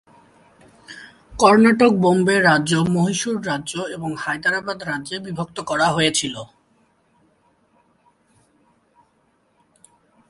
কর্ণাটক বোম্বে রাজ্য, মহীশূর রাজ্য এবং হায়দরাবাদ রাজ্যে বিভক্ত করা হয়েছিল।